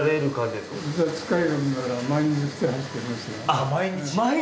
あっ毎日！？